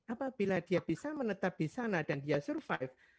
apabila dia bisa menetap di sana dan dia survive